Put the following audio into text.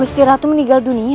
ustilatu meninggal dunia